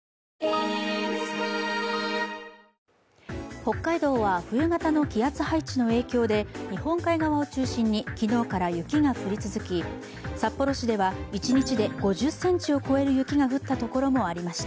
北海道は冬型の気圧配置の影響で日本海側を中心に昨日から雪が降り続き札幌市では一日で５０ｃｍを超える雪が降った所もありました。